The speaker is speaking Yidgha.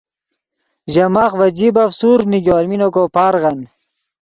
ژے ماخ ڤے جیبف سورڤ نیگو المین کو پارغن